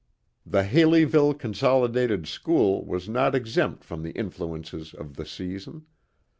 The Haleyville Consolidated School was not exempt from the influences of the season.